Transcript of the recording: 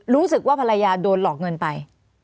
รู้สึกว่าภรรยาโดนหลอกเงินไป